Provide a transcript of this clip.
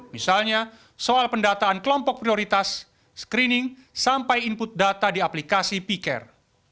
misalnya soal pendataan kelompok prioritas screening sampai input data di aplikasi p care